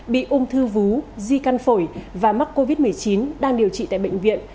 bị ung thư vú di căn phổi và mắc covid một mươi chín đang điều trị tại bệnh viện